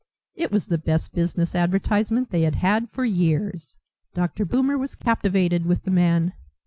It was the best business advertisement they had had for years. Dr. Boomer was captivated with the man.